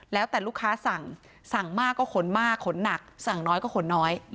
แล้วแต่ลูกค้าสั่งสั่งมากก็ขนมากขนหนักสั่งน้อยก็ขนน้อย